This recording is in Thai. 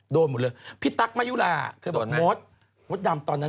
โดนหมดเลยพี่ตั๊กมายุราคือบอร์ดม็อต